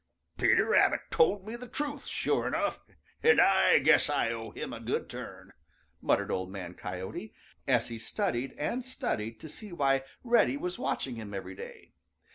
"Peter Rabbit told me the truth, sure enough, and I guess I owe him a good turn," muttered Old Man Coyote, as he studied and studied to see why Reddy was watching him every day.